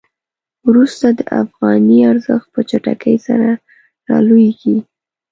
وروسته د افغانۍ ارزښت په چټکۍ سره رالویږي.